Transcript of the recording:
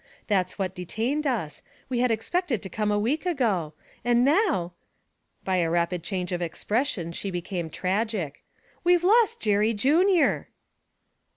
That's what detained us: we had expected to come a week ago. And now ' by a rapid change of expression she became tragic. 'We've lost Jerry Junior!'